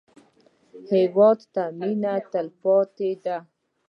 هېواد ته مېنه تلپاتې ده